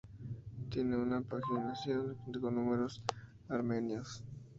Tiene una paginación con números armenios.